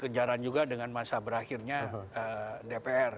kejaran juga dengan masa berakhirnya dpr